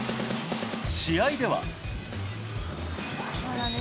試合では。